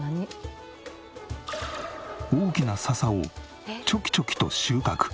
大きな笹をチョキチョキと収穫。